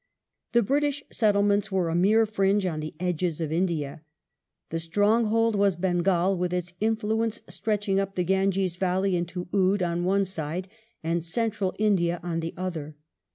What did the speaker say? The British settlements were a mere fringe on the edges of India. The stronghold was Bengal, with its influence stretching up the Ganges Valley into Oude on one side and Central India on the other.